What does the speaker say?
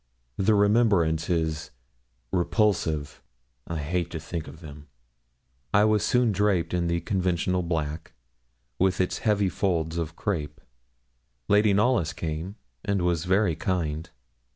The remembrance is repulsive. I hate to think of them. I was soon draped in the conventional black, with its heavy folds of crape. Lady Knollys came, and was very kind.